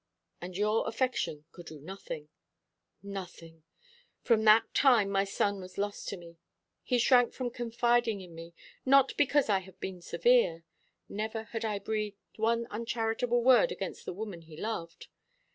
"And your affection could do nothing." "Nothing. From that time my son was lost to me. He shrank from confiding in me, not because I had been severe never had I breathed one uncharitable word against the woman he loved.